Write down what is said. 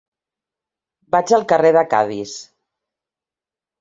Vaig al carrer de Cadis.